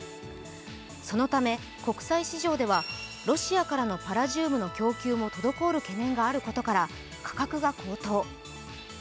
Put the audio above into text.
そのため、国際市場ではロシアからのパラジウムの供給も滞る懸念があることから価格が高騰。